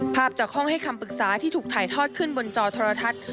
ภาพจากห้องให้คำปรึกษาที่ถูกถ่ายทอดขึ้นบนจอโทรทัศน์